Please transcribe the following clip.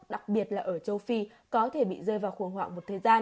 đặc biệt là ở châu phi có thể bị rơi vào khủng hoảng một thời gian